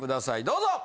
どうぞ！